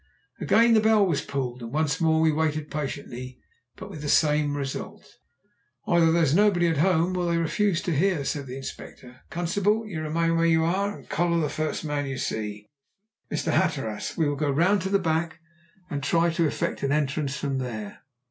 Again the bell was pulled, and once more we waited patiently, but with the same result. "Either there's nobody at home or they refuse to hear," said the Inspector. "Constable, you remain where you are and collar the first man you see. Mr. Hatteras, we will go round to the back and try to effect an entrance from there."